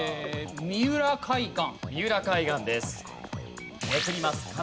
三浦海岸です。